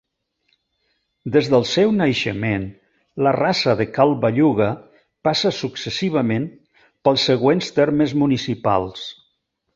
Des del seu naixement, la rasa de Cal Belluga passa successivament pels següents termes municipals.